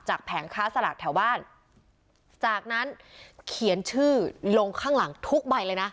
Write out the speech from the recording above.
แผงค้าสลากแถวบ้านจากนั้นเขียนชื่อลงข้างหลังทุกใบเลยนะ